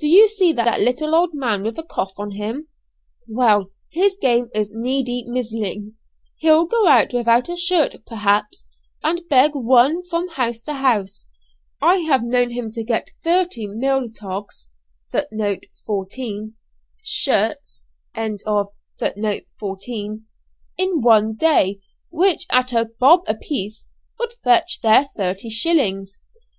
Do you see that little old man with a cough on him? Well, his game is 'needy mizzling.' He'll go out without a shirt, perhaps, and beg one from house to house. I have known him to get thirty 'mill togs' in one day, which, at a 'bob' apiece, would fetch their thirty shillings.